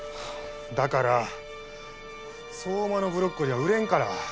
だから相馬のブロッコリーは売れんから。